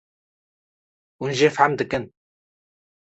hûn jê fehm dikin